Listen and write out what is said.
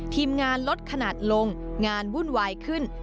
ทีมงานลดขนาดลงงานวุ่นวายขึ้น